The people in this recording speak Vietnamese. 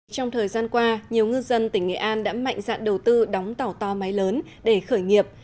trong thời gian qua nhiều ngư dân tỉnh nghệ an đã mạnh dạn đầu tư đóng tàu to máy lớn để khởi nghiệp